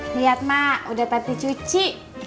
lihat mak udah tapi cuci